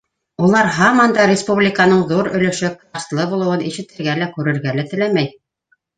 Улар һаман да республиканың ҙур өлөшө карстлы булыуын ишетергә лә, күрергә лә теләмәй...